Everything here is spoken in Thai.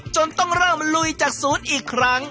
จนต้องเริ่มลุยจากศูนย์อีกครั้ง